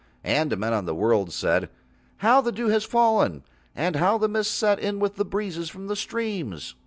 And men on the world said: "How the dew has fallen, and how the mists set in with breezes from the streams."